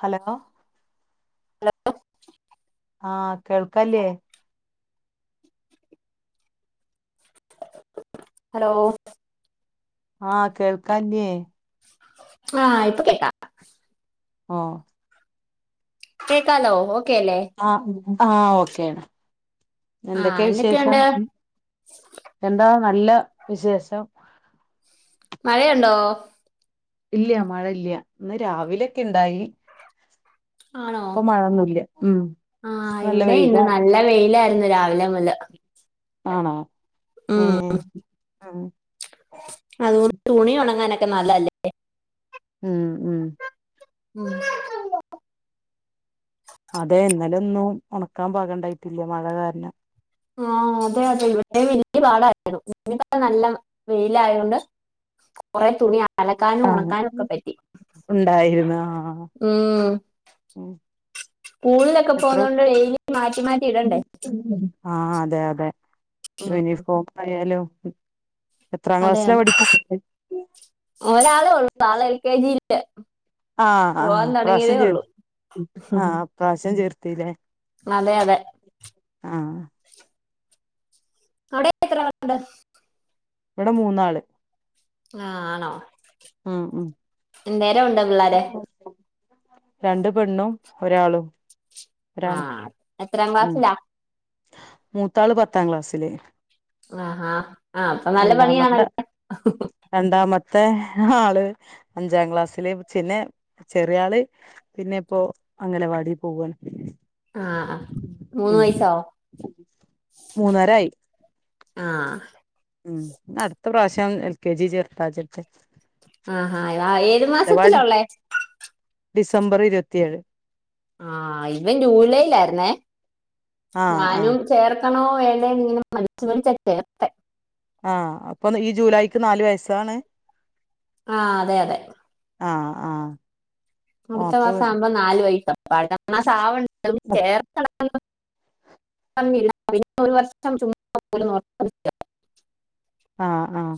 Hello hello ആ കേൾക്കല്ലേ hello ആഹ കേൾക്കാല്ലേ ആ ഇപ്പൊ കേക്കാം ആ കേക്കാലോ ഓ ക്കല്ലേ ആ ഓക്കേയാണ് ആ എന്തൊക്കെയ വിശേഷം എന്തൊക്കെയുണ്ട് എന്താ നല്ല വിശേഷം മഴയുണ്ടോ ഇല്ല മഴ ഇല്ല ഇന്ന് രാവിലൊക്കെ ഉണ്ടായി ആണോ ആ നല്ല ഇവിടെ ഇന്ന് വെയിലാ നല്ല വെയിലായിരുന്നു രാവിലെ മുതൽ ആണോ ആ ആഹ അതുകൊ തുണി ഉണങ്ങാനൊക്കെ നല്ലല്ലേ ഉം ഉം ഉം [inaudible] അതെ ഇന്നലെ ഒന്നും ഉണക്കാൻ പോകണ്ടായിട്ടില്ല മഴ കാരണം ആ അതെ അതെ ഇവിടെ വലിയ പടായിരുന്നു ഇ നല്ല വെയില ആയത്‌ കൊണ്ട് കുറെ തുണിയ ആഹ ഉണ്ടായിരുന്നു ആഹ ഉം ഉ സ്കൂളിലൊക്കെ എത്ര പോകുന്നോണ്ട് ഡെയിലി മാറ്റി മാറ്റി ഇടണ്ടേ ആ അതെ അതെ ഉം. യൂണിഫോം ആയാലും എത്രാം അതെ ക്ലാസ്സിലാ അതെ പഠിക്ക ഒരാളേ ഉള്ളൂ ആള് എൽ കെ ജി ല ആഹ് ആഹ് ഇപ്രാവശ്യം ചേർത്തി ആ ഇപ്രാവശ്യം ചേർ ത്തിലെ അതെ അതെ അവിടെ എത്ര മക്കള് ഇവിടെ മൂന്നാള് ആഹ് ആണോ ഉം ഉം എന്തേരം ഉണ്ട് പിള്ളേര രണ്ടു പെണ്ണും ഒരാണും ആഹ് എത്രാം ഉം ക്ലാസിലാ മൂത്താള് പത്താം ക്ലാസ്സില് ആഹഹാ ആഹ് അപ്പൊ നല്ല പണിയാണല്ലോ തെ ആള് അഞ്ചാം ക്ലാസ്സില് ചിന്നെ ചെറിയ ആള് പിന്നെ ഇപ്പോ അംഗനവാടി പോവാണ്. ആഹ് മൂന്ന് ഉം വയസാ മൂന്നരായി ആഹ് ഉം അടുത്ത പ്രാശ്യം എൽ കെ ജി ചേർത്താച്ചിട്ട് ആഹാ ഏതു മാസത്തിലാ അംഗലവാടി ഉള്ളേ? ഡിസംബർ ഇരുപത്തിയേഴ് ആഹ് ഇവൻ ജൂലൈയിലായിരുന്നേ ആഹ് ആഹ് ഞാനും ചേർ ത്തണോ വേണ്ടേ ഇങ്ങനെ മടിച്ച് മടിച്ചാ ചേർത്തേ ആഹ് അപ്പൊ ഈ ജൂലൈക്ക് നാലുവയസാണ് ആഹ് അതെ അതെ ആഹ് ആ അടുത്ത മാസം ആവുമ്പോ നാല് വയസ് [unintelligible] [unintelligible] ആഹ് ആഹ്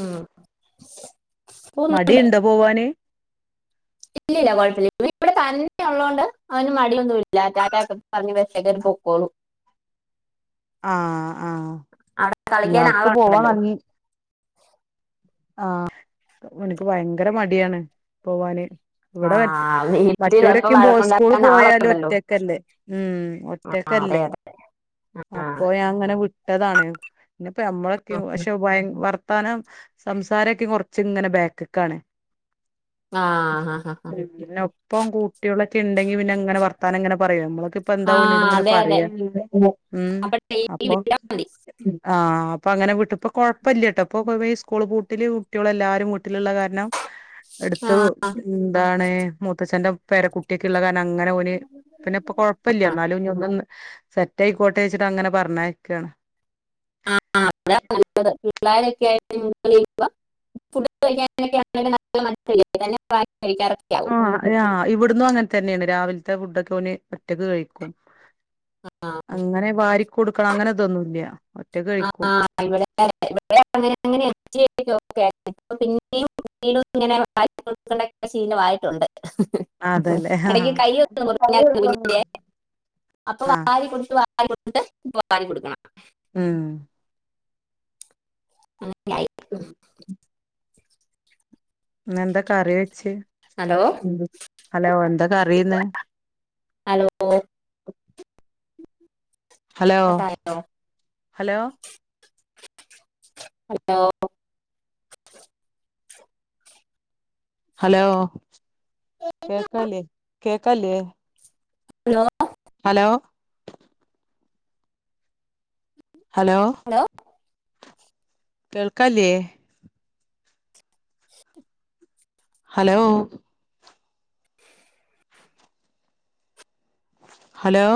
ഉം പോന്നു മടി ഉണ്ടോ പോവാന്? ഇല്ലില്ല കൊഴപ്പില്ല ഇപ്പം ഇവിടെ തന്നെ ഉള്ളോണ്ട് അവന് മടിയൊന്നു ഇല്ല റ്റാറ്റാ ഒക്കെ പറഞ്ഞ് ബസ്സേ കേറി പൊക്കോളും ആഹ ആഹ അവിടെ കളിക്കാൻ ഇയാൾക്ക് പോവാൻ ആളുണ്ടല്ലോ ടങ്ങി ആഹ ഇവൻക്ക് ഭയങ്കര മടിയാണ് പോവാന് ആ ഇവിടെ മറ്റ് വീട്ടിൽ അപ്പൊ മറ്റൂരൊക്കെ പോ സ്കൂള് വഴക്കുണ്ടാക്കാൻ പോയാലും ആളുണ്ടല്ലോ ഒറ്റക്കല്ലേ ഉം ആ അതെ ഒറ്റക്കല്ലേ അതെ ആ അപ്പൊ ഞാൻ അങ്ങനെ വിട്ടതാണ് ഇനിപ്പ നമ്മളൊക്കെയൊ പക്ഷേ ഭയ് വർ പണം സംസാരൊക്കെ കൊറച്ച് ഇങ്ങനെ ബാക്ക്ക്കാണ് ആഹ് ആഹ് ഹാ ഹാ ഇപ്പം കൂട്ടികളൊക്കെ ഉണ്ടെങ്കി പിന്നങ്ങനെ വർത്താനം അങ്ങനെ പറയും നമ്മള് കിപ്പോ എന്താ ആ ഓനോട്‌ ഇങ്ങനെ അതെ അതെ പറയാ ഉം അപ്പൊ ഡെയിലി അപ്പം വിട്ടാ മതി ആഹ് അപ്പൊ അങ്ങനെ വിട്ടപ്പൊ കൊഴപ്പല്ല്യാ ട്ടോ ഇപ്പൊ കൊ വേഷ് സ്കൂള് പൂട്ട്ല് കുട്ട്യോളെല്ലാരും വ് ട്ട്ല്ള്ള കാരണം ആ എട്ത്ത എന്താണ് മൂത്തച്ഛന്റെ പേരകുട്ട്യക്കുള്ള കാര് ണങ്ങനെ ഓന് പിന്നെ ഇപ്പൊ കൊഴപ്പ ഇല്ല്യാ ആ, എന്നാലും ഇനി ഒന്ന് സെറ്റ് ആയിക്കോട്ടെ വെച്ചിട്ട് അങ്ങനെ പറഞ്ഞയക്കാണ്. ആഹ് അപ്പളേ [unintelligible] പിള്ളരൊക്കെയായിട്ട് മിംഗിളെയ്യുമ്പം ഫുഡൊക്കെ കഴിക്കാനൊക്കെ ആണേലും നല്ല മാറ്റം [unintelligible] ആ യാ ഇവിടുന്നും അങ്ങൻ തന്നെണ് രാവിൽ ത്തെ ഫുഡൊക്കെ ഓന് ഒറ്റക്ക് കഴിക്കും. അങ്ങനെ വാരി കൊടുക്കണം അങ്ങനെതൊന്നൂല്ല്യാ. ആഹ് ഇവടെ ഇവടെ അങ്ങനെ ങ്ങനെ [unintelligible] [unintelligible] ഇപ്പം പിന്നെയും വീണ്ടും ഇങ്ങനെ വാരി [unintelligible] ശീലവായിട്ടുണ്ട് അതല്ലേ ഇടക്ക് ആഹ് കൈ ഒന്ന് മുറിഞ്ഞാരുന്നു കുഞ്ഞിന്റെ അപ്പൊ ആഹ് വാരി കൊടുത്ത് വാ വാരി കൊടുത്തിട്ട് ഇപ്പൊ വാരി കൊടുക്കണം. ഉം അങ്ങനെയായി ഉം ന്ന് എന്താ കറി വെ ച്ച് ഹലോ ഹലോ എന്താ കറി ഇന്ന് ഹലോ ഹലോ കട്ടായോ ഹലോ ഹലോ ഹലോ കേക്കണില്ലേ കേക്കാല്ലേ? ഹലോ? ഹലോ? ഹലോ? കേൾക്കാല്ല്യേ? ഹലോ? ഹലോ?